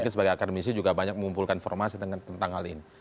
sebagai akademisi juga banyak mengumpulkan informasi tentang hal ini